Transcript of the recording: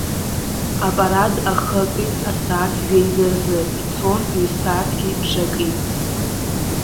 Апарад ахы акит асааҭ жәеиза рзы, ицон ҩ-сааҭки бжаки.